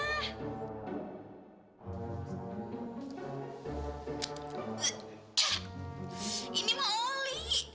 ini mah oli